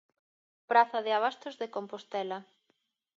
Praza de Abastos de Compostela.